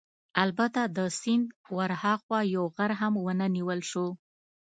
البته د سیند ورهاخوا یو غر هم ونه نیول شو.